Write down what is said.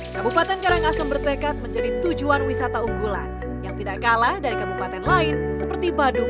kabupaten karangasem bertekad menjadi tujuan wisata unggulan yang tidak kalah dari kabupaten lain seperti badung